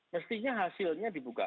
mestinya hasilnya dibuka